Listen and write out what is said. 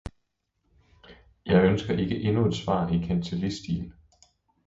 Jeg ønsker ikke endnu et svar i kancellistil.